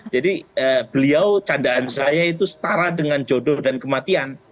jadi beliau candaan saya itu setara dengan jodoh dan kematian